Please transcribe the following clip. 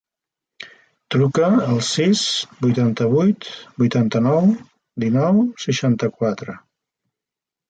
Truca al sis, vuitanta-vuit, vuitanta-nou, dinou, seixanta-quatre.